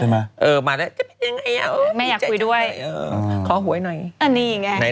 ไม่อยากคุยด้วย